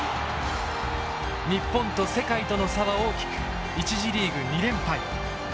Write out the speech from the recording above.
日本と世界との差は大きく１次リーグ２連敗。